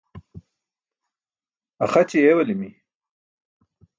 Axaći eewalimi.